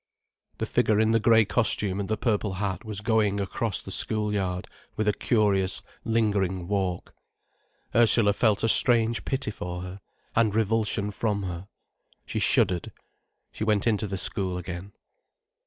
The figure in the grey costume and the purple hat was going across the school yard with a curious lingering walk. Ursula felt a strange pity for her, and revulsion from her. She shuddered. She went into the school again.